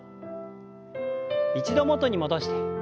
一度元に戻して。